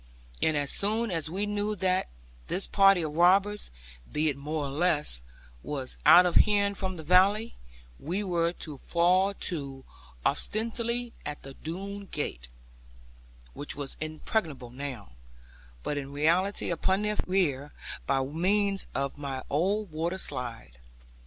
And as soon as we knew that this party of robbers, be it more or less, was out of hearing from the valley, we were to fall to, ostensibly at the Doone gate (which was impregnable now), but in reality upon their rear, by means of my old water slide.